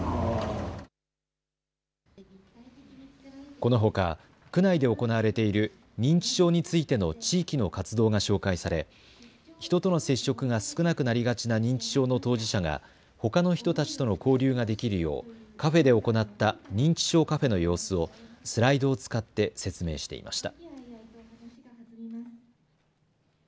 このほか区内で行われている認知症についての地域の活動が紹介され人との接触が少なくなりがちな認知症の当事者がほかの人たちとの交流ができるようカフェで行った認知症カフェの様子をスライドを使って説明していました。